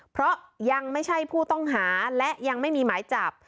เพราะยังไม่ใช่ผู้ต้องหาและยังไม่มีหมายจับ